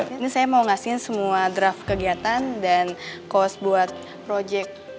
ini saya mau ngasihin semua draft kegiatan dan cost buat project